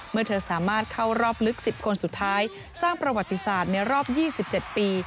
เมื่อเธอสามารถเข้ารอบลึก๑๐คนสุดท้ายสร้างประวัติศาสตร์ในรอบ๒๗ปี